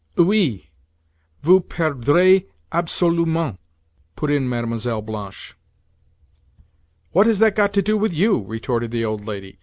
"Oui; vous perdrez absolument," put in Mlle. Blanche. "What has that got to do with you?" retorted the old lady.